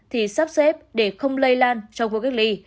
thì sắp xếp để không lây lan trong khu cách ly